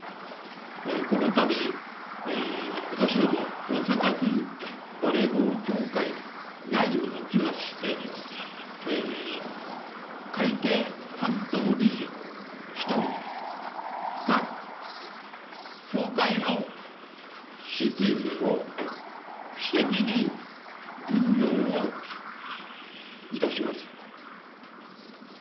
このたび、私ども大阪府バレーボール協会内におきまして、会計担当理事１人が、協会の資金を私的に流用をいたしました。